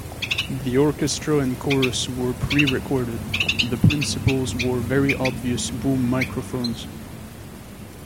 The orchestra and chorus were prerecorded; the principals wore very obvious boom microphones.